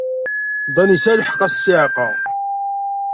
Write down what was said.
Dan yesɛa lḥeqq, a ssiɛqa.